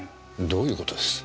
どういう事です？